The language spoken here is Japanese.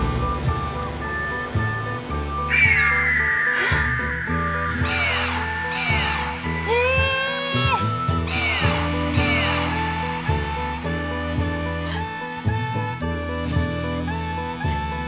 ええ！えっ？